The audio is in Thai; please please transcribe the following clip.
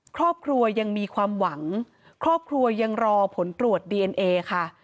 ครอบครัวยังมีความหวังครอบครัวยังรอผลตรวจดีเอนเอค่ะ